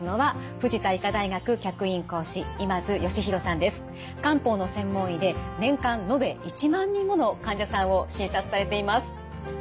教えてくださいますのは漢方の専門医で年間延べ１万人もの患者さんを診察されています。